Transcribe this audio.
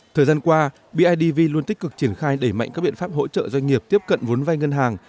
thời gian qua bidv luôn tích cực triển khai đẩy mạnh các biện pháp hỗ trợ doanh nghiệp tiếp cận vốn vai ngân hàng